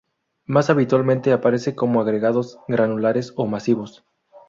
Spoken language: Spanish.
Más habitualmente aparece como agregados granulares o masivos.